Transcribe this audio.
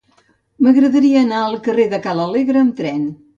M'agradaria anar al carrer de Ca l'Alegre amb tren.